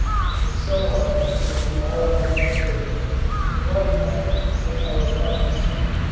And so on through all of our materials and likewise with our parts.